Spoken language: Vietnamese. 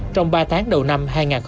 trong ba tháng đầu năm hai nghìn hai mươi